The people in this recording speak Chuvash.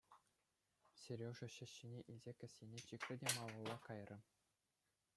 Сережа ҫӗҫҫине илсе кӗсьене чикрӗ те малалла кайрӗ.